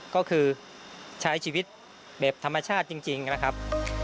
ก็คือใช้ชีวิตแบบธรรมชาติจริงนะครับ